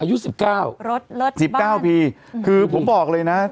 อายุ๑๙บาทปี๑๙ปีคือผมบอกเลยนะครับ